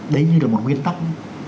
đấy như là một nguyên tắc